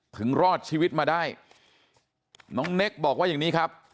รอดชีวิตมาได้น้องเน็กบอกว่าอย่างนี้ครับ